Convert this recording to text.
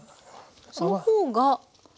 その方が。